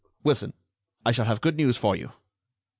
Wilson, I shall have good news for you."